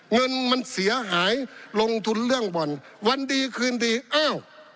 เงินมันเสียหายลงทุนเรื่องบ่อนวันดีคืนดีอ้าว